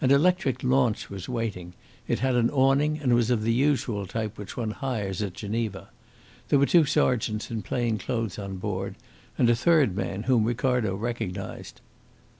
An electric launch was waiting. It had an awning and was of the usual type which one hires at Geneva. There were two sergeants in plain clothes on board, and a third man, whom Ricardo recognised.